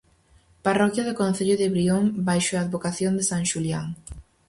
Parroquia do concello de Brión baixo a advocación de san Xulián.